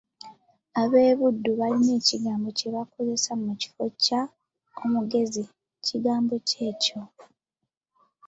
"Ab'e Buddu balina ekigambo kye bakozesa mu kifo kya “omugenzi”, kigambo ki ekyo?"